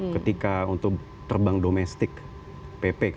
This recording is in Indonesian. ketika untuk terbang domestik pp contohnya